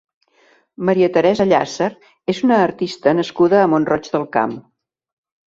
Mª Teresa Llàcer és una artista nascuda a Mont-roig del Camp.